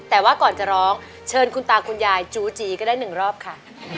แต่ว่าก่อนจะร้องเชิญคุณตาคุณยายจูจีก็ได้หนึ่งรอบค่ะ